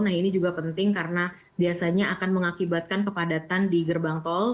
nah ini juga penting karena biasanya akan mengakibatkan kepadatan di gerbang tol